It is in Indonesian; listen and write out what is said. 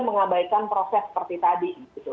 mengabaikan proses seperti tadi